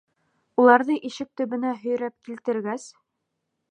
Уларҙы ишек төбөнә һөйрәп килтергәс: